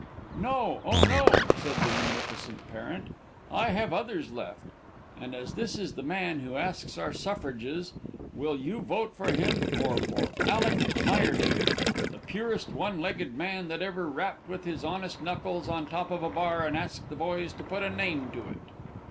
'No, oh no,' said the munificent parent, 'I have others left.' And this is the man who asks our suffrages! Will you vote for him or for Alick Meyerdinger, the purest one legged man that ever rapped with his honest knuckles on top of a bar and asked the boys to put a name to it."